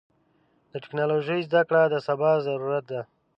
د ټکنالوژۍ زدهکړه د سبا ضرورت ده.